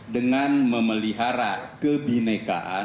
dengan memelihara kebinekaan